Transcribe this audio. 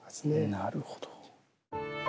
なるほど。